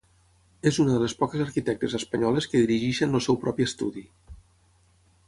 És una de les poques arquitectes espanyoles que dirigeixen el seu propi estudi.